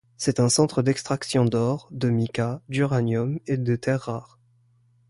C'est un centre d'extraction d'or, de mica, d'uranium et de terres rares.